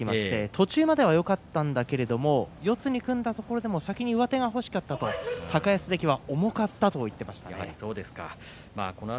途中までよかったんだけれども四つに組んだところで先に上手が欲しかったと高安関は重かったと言っていました。